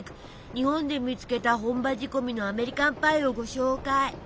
日本で見つけた本場仕込みのアメリカンパイをご紹介。